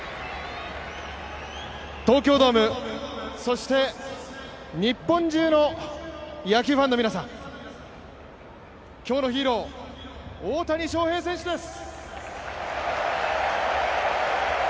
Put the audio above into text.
東京ドーム、そして日本中の野球ファンの皆さん、今日のヒーロー、大谷翔平選手です